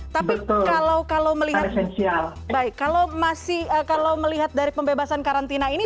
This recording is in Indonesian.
tapi kalau melihat dari pembebasan karantina ini